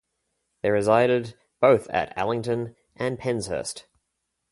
They resided both at Allington and Penshurst.